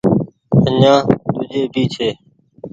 آڃآن ۮوجهي ڀي ڇي ۔